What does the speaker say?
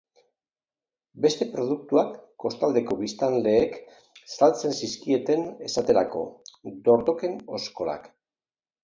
Beste produktuak kostaldeko biztanleek saltzen zizkieten, esaterako, dortoken oskolak.